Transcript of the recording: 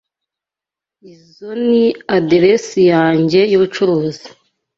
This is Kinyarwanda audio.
Izoi ni aderesi yanjye yubucuruzi.